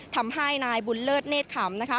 ทำให้นายบุญเลิศเนธขำนะคะ